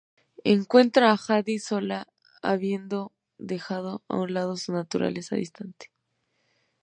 Encuentran a Jadis sola, habiendo dejado a un lado su naturaleza distante.